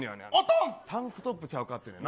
タンクトップちゃうかって言うねんな。